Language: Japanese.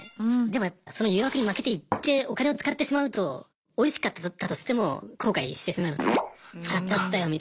でもやっぱその誘惑に負けて行ってお金を使ってしまうとおいしかったとしても後悔してしまいますね使っちゃったよみたいな。